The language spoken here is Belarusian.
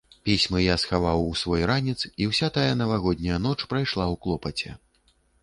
Пісьмы я схаваў у свой ранец, і ўся тая навагодняя ноч прайшла ў клопаце.